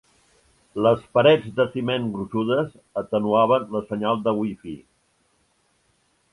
Les parets de ciment gruixudes atenuaven la senyal de wifi.